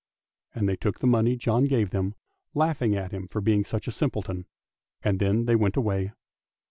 " And they took the money John gave them, laughing at him for being such a simpleton, and then they went away.